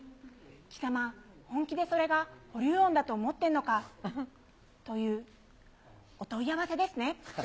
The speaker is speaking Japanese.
貴様、本気でそれが保留音だと思ってんのか、というお問い合わせですね？